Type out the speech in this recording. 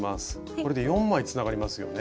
これで４枚つながりますよね。